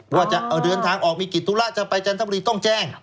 ว่าจะเดินทางออกมีกิจธุระจะไปจันทบุรีต้องแจ้ง